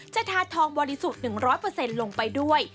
ทาทองบริสุทธิ์๑๐๐ลงไปด้วย